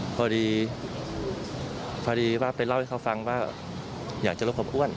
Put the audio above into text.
พอดีว่าไปเล่าให้เขาฟังว่าอยากจะรบกับอ้วน